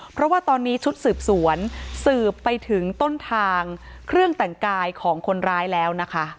เพราะว่าตอนนี้ชุดสืบสวนสืบไปถึงต้นทางเครื่องแต่งกายของคนร้ายแล้วนะคะ